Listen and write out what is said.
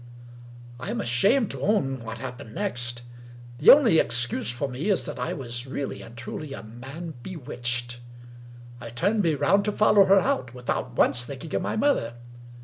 I am ashamed to own what happened next. The only excuse for me is that I was really and truly a man be witched. I turned me round to follow her out, without once thinking of my mother.